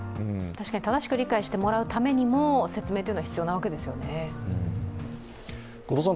正しく理解してもらうためにも説明というのは必要なわけですよね。